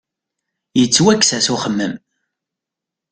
Yettwakkes-as uxemmem.